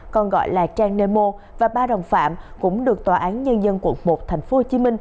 còn gọi là trang nemo và ba đồng phạm cũng được tòa án nhân dân quận một tp hcm